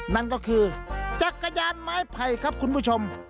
นั่นก็คือจักรยานไม้ไผ่ครับคุณผู้ชม